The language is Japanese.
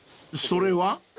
［それは？］